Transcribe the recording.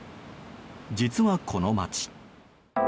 実は、この町。